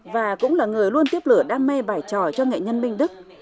và cũng là người luôn tiếp lửa đam mê bài tròi cho nghệ nhân minh đức